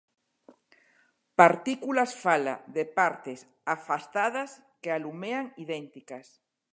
Partículas fala de partes afastadas que alumean idénticas.